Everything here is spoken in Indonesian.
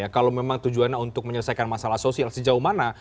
kalau memang tujuannya untuk menyelesaikan masalah sosial sejauh mana